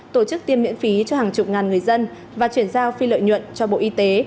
tổ chức tiêm miễn phí cho hàng chục ngàn người dân và chuyển giao phi lợi nhuận cho bộ y tế